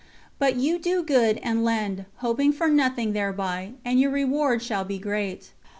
But you do good and lend, hoping for nothing thereby, and your reward shall be great."